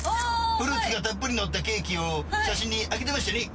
フルーツがたっぷり載ったケーキを写真上げてましたよね？